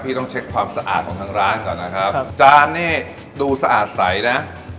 ต้องเช็คความสะอาดของทางร้านก่อนนะครับครับจานนี่ดูสะอาดใสนะ